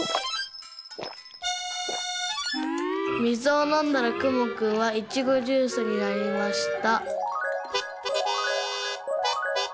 「みずをのんだらくもくんはイチゴジュースになりました」。